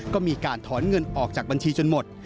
ก็มีการถอนเงินออกจากบัญชีจนหมด